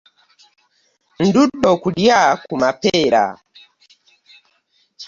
Ndudde okulya ku mapeera.